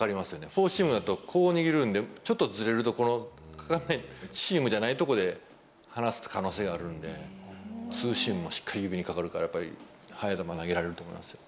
フォーシームだと、こう握るんで、ちょっとずれるとかからない、シームではない所で離す可能性があるんで、ツーシームもしっかり指にかかるから、やっぱり速い球が投げられると思いますよ。